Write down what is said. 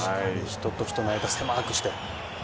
人と人の間狭くして。